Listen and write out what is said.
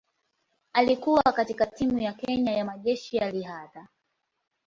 Alikuwa katika timu ya Kenya ya Majeshi ya Riadha.